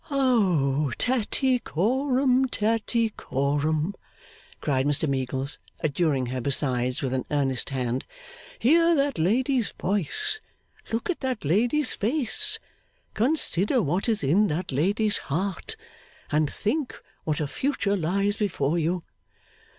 'Oh, Tattycoram, Tattycoram!' cried Mr Meagles, adjuring her besides with an earnest hand. 'Hear that lady's voice, look at that lady's face, consider what is in that lady's heart, and think what a future lies before you.